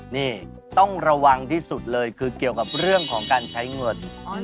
นี่ต้องระวังที่สุดเลยคือเกี่ยวกับเรื่องของการใช้เงิน